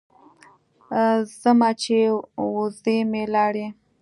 ځمه چې وزې مې لاړې.